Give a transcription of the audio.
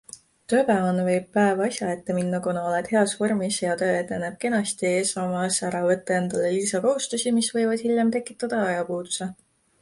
Tööpäevana võib päev asja ette minna, kuna oled heas vormis ja töö edeneb kenasti, samas ära võta endale lisakohustusi, mis võivad hiljem tekitada ajapuuduse.